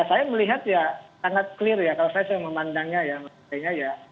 saya melihat sangat jelas kalau saya memandangnya